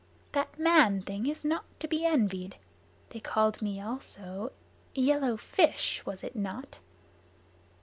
That man thing is not to be envied. They called me also `yellow fish' was it not?"